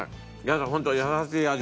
ホント優しい味。